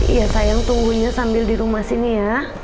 iya sayang tunggunya sambil di rumah sini ya